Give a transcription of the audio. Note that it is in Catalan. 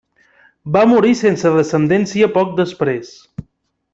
Va morir sense descendència poc després.